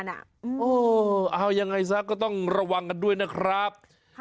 เอายังไงซะก็ต้องระวังกันด้วยนะครับ